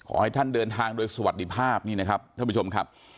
ขอให้ท่านเดินทางโดยสวัสดีภาพนี่นะครับท่านผู้ชมครับ